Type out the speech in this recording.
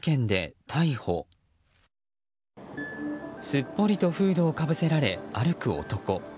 すっぽりとフードをかぶせられ歩く男。